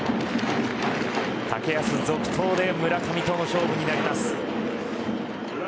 竹安続投で村上との勝負になります